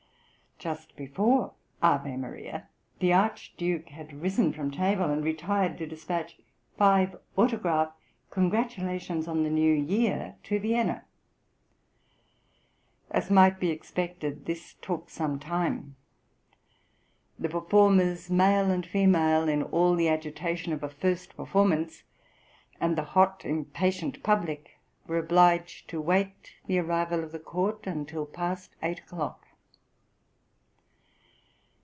Just before Ave Maria the Archduke had risen from table, and retired to despatch five autograph congratulations on the New Year to Vienna; as might be expected, this took some time. The performers, male and female, in all the agitation of a first performance, and the hot impatient public were obliged to wait the arrival of the court until past eight o'clock.